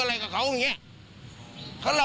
อ๋อแปลว่าปกติก่อนอันนี้เขาก็นอน